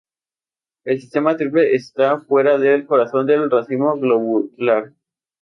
El sistema triple está fuera del corazón del racimo globular.